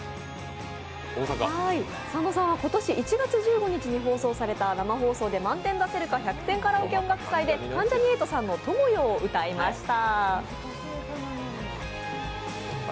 佐野さんは今年１月１５日に放送された「生放送で満点出せるか１００点カラオケ音楽祭」で関ジャニ∞さんの「友よ」を歌いました。